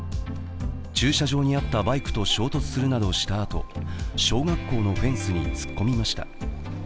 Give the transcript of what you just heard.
駐車場にあったバイクと衝突するなどしたあと小学校のフェンスに突っ込みました。